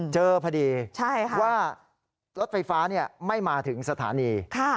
เจอพอดีว่ารถไฟฟ้าไม่มาถึงสถานี